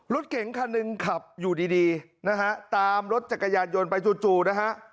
รถเก๋งคันหนึ่งขับอยู่ดีดีนะฮะตามรถจักรยานยนต์ไปจู่นะฮะ